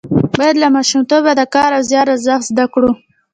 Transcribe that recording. باید له ماشومتوبه د کار او زیار ارزښت زده کړو.